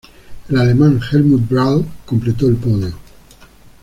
El alemán Helmut Bradl completó el podio.